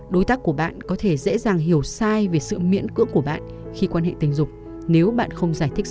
đối tác của bạn có thể dễ dàng hiểu sai về sự miễn cưỡng của bạn khi quan hệ tình dục nếu bạn không giải thích